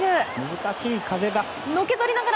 難しい風が。